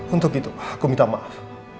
untuk itu aku minta maaf